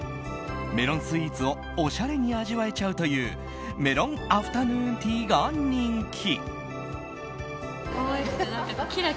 メロンスイーツをおしゃれに味わえちゃうというメロンアフタヌーンティーが人気。